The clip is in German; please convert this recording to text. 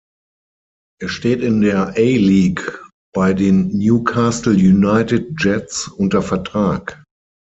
Er steht in der A-League bei den Newcastle United Jets unter Vertrag.